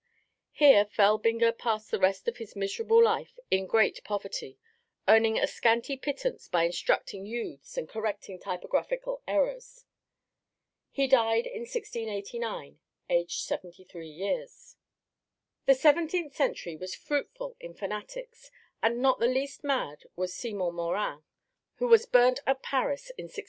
Here Felbinger passed the rest of his miserable life in great poverty, earning a scanty pittance by instructing youths and correcting typographical errors. He died in 1689, aged seventy three years. The seventeenth century was fruitful in fanatics, and not the least mad was Simon Morin, who was burnt at Paris in 1663.